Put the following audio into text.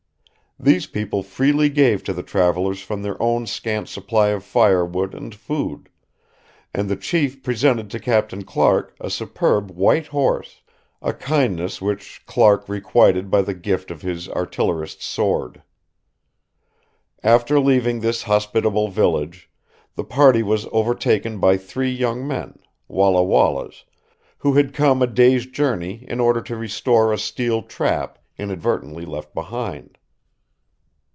These people freely gave to the travelers from their own scant supply of firewood and food; and the chief presented to Captain Clark a superb white horse, a kindness which Clark requited by the gift of his artillerist's sword. After leaving this hospitable village, the party was overtaken by three young men, Walla Wallas, who had come a day's journey in order to restore a steel trap, inadvertently left behind.